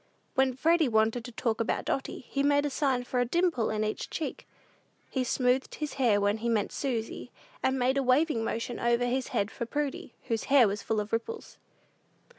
When Freddy wanted to talk about Dotty, he made a sign for a dimple in each cheek. He smoothed his hair when he meant Susy, and made a waving motion over his head for Prudy, whose hair was full of ripples.